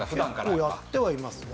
結構やってはいますね。